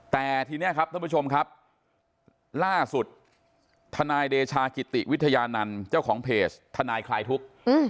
แต่ทีนี้ครับท่านผู้ชมครับล่าสุดทนายเดชากิติวิทยานันต์เจ้าของเพจทนายคลายทุกข์